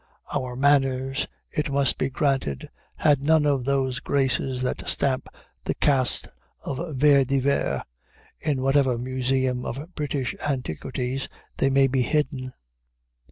Our manners, it must be granted, had none of those graces that stamp the caste of Vere de Vere, in whatever museum of British antiquities they may be hidden.